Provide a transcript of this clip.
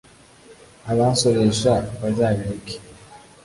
Abansoresha bazabireke